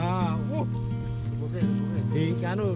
apalagi hal hal yang di dunia ini yang masih bisa masuk akal